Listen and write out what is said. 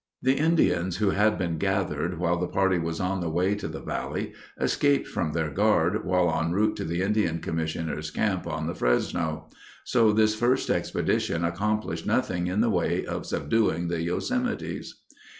The Indians who had been gathered while the party was on the way to the valley escaped from their guard while en route to the Indian Commissioner's camp on the Fresno; so this first expedition accomplished nothing in the way of subduing the Yosemites.